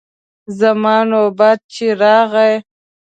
زما نوبت چې راغی.